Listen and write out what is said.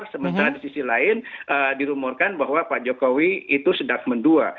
sementara di sisi lain dirumorkan bahwa pak jokowi itu sedang mendua